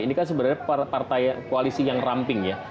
ini kan sebenarnya partai koalisi yang ramping ya